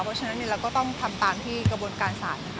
เพราะฉะนั้นเนี่ยเราก็ต้องทำตามที่กระบวนการสารค่ะ